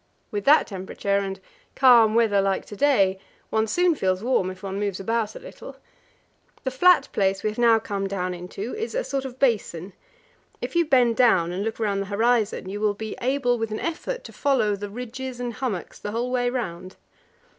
With that temperature and calm weather like to day one soon feels warm if one moves about a little .... The flat place we have now come down into is a sort of basin; if you bend down and look round the horizon, you will be able with an effort to follow the ridges and hummocks the whole way round.